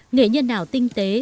nghệ nhân nào tinh tế